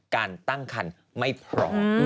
การตั้งคันไม่พร้อม